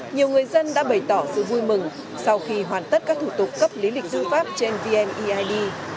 nhiều người dân đã bày tỏ sự vui mừng sau khi hoàn tất các thủ tục cấp lý lịch tư pháp trên vneid